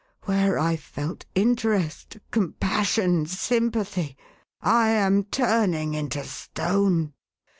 Where I felt interest, compassion, sympathy, I am turning into stone.